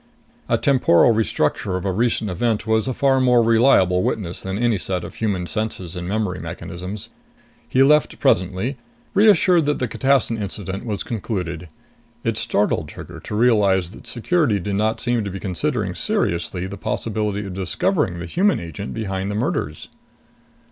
A temporal restructure of a recent event was a far more reliable witness than any set of human senses and memory mechanisms. He left presently, reassured that the catassin incident was concluded. It startled Trigger to realize that Security did not seem to be considering seriously the possibility of discovering the human agent behind the murders.